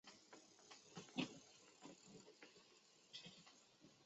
由美国亚利桑那大学的天文化学家。